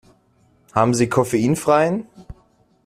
Haben Sie koffeinfreien?